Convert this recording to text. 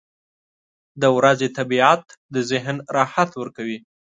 • د ورځې طبیعت د ذهن راحت ورکوي.